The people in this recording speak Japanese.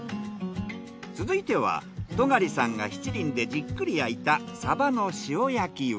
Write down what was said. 続いては戸河里さんが七輪でじっくり焼いたサバの塩焼きを。